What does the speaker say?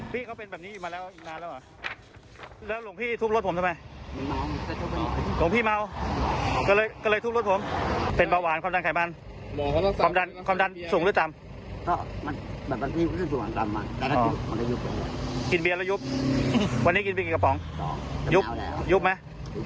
กินเบียนแล้วยุบวันนี้กินเบียนกี่กระป๋องยุบไหม